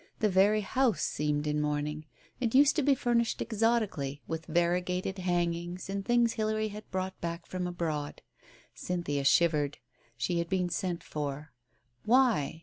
The very house seemed in mourning. It used to be furnished exotically, with variegated hangings and things Hilary had brought back from abroad. Cynthia shivered. She had been sent for. Why?